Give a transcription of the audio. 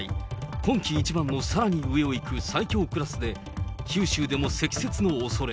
今季一番のさらに上をいく最強クラスで、九州でも積雪のおそれ。